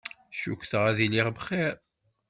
Cukkteɣ ad iliɣ bxir.